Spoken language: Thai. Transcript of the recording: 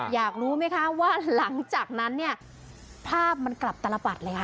อยากรู้ไหมคะว่าหลังจากนั้นเนี่ยภาพมันกลับตลปัดเลยค่ะ